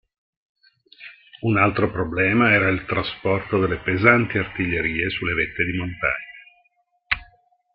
Un altro problema era il trasporto delle pesanti artiglierie sulle vette di montagne.